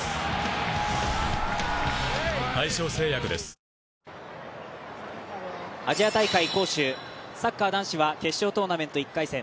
新しい「本麒麟」アジア大会杭州サッカー男子は決勝トーナメント１回戦。